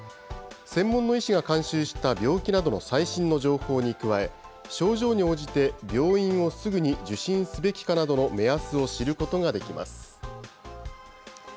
専門の医師が監修した病気などの最新の情報に加え、症状に応じて病院をすぐに受診すべきかなどの目安を知ることができます。